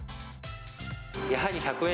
やはり１００円